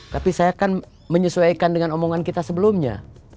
tapi saya kan menyesuaikan dengan omongan kita sebelumnya